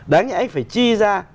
đáng nhẽ phải chi ra